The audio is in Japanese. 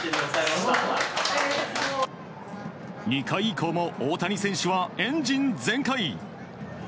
２回以降も大谷選手はエンジン全開。